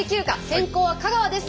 先攻は香川です。